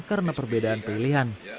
karena perbedaan pilihan